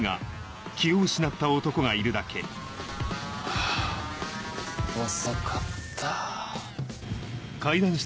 はぁ遅かった。